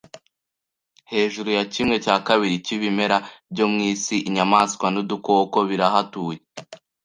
hejuru ya kimwe cya kabiri cyibimera byo mwisi, inyamaswa n’udukoko birahatuye.